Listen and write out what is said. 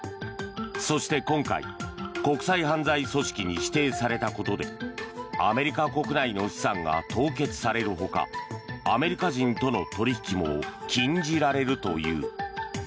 そして今回国際犯罪組織に指定されたことでアメリカ国内の資産が凍結される他アメリカ人との取り引きも禁じられるという。